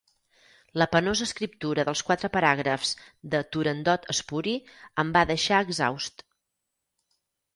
La penosa escriptura dels quatre paràgrafs de “Turandot espuri” em va deixar exhaust.